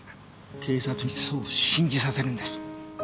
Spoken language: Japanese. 警察にそう信じさせるんです。